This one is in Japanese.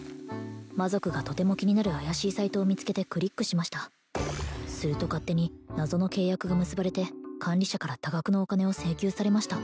魔族がとても気になる怪しいサイトを見つけてクリックしましたすると勝手に謎の契約が結ばれて管理者から多額のお金を請求されました